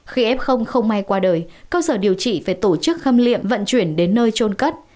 khi f không may qua đời cơ sở điều trị phải tổ chức khâm liệm vận chuyển đến nơi trôn cất